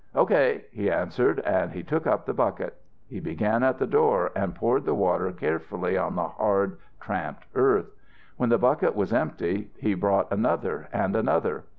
"'O.K.,' he answered, and he took up the bucket. He began at the door and poured the water carefully on the hard tramped earth. When the bucket was empty he brought another and another.